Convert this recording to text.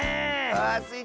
ああスイ